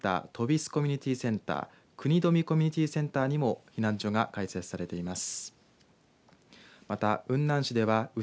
とびすコミュニティーセンター国富コミュニティーセンターにも避難所が開設されています。